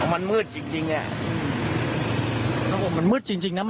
มันมืดจริงจริงอ่ะเขาบอกมันมืดจริงจริงนะ